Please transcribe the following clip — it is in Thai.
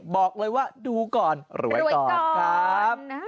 บอกเลยว่าดูก่อนรวยก่อนครับ